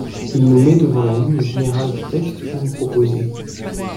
Il nous met devant la ligne générale du texte que vous proposez.